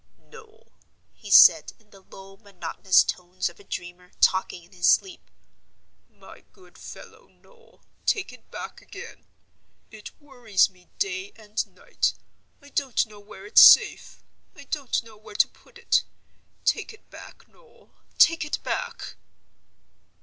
"Noel!" he said, in the low monotonous tones of a dreamer talking in his sleep, "my good fellow, Noel, take it back again! It worries me day and night. I don't know where it's safe; I don't know where to put it. Take it back, Noel—take it back!"